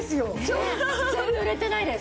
全然ぬれてないです